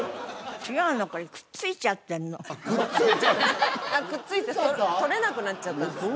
くっついちゃったくっついて取れなくなっちゃったんですね